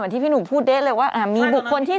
อย่างที่พี่หนูพูดได้เลยว่ามีบุคคลที่๓